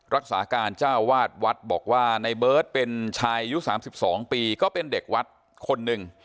รักษาการเจ้าวาดวัดบอกว่าในเบิร์ตเป็นชายอายุ๓๒ปีก็เป็นเด็กวัดคนหนึ่ง